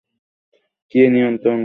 কে নিয়ন্ত্রণ করে?